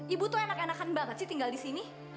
ibu tuh enak enakan banget sih tinggal di sini